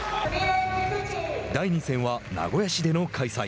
第２戦は名古屋市での開催。